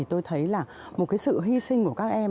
tôi thấy là một cái sự hy sinh của các em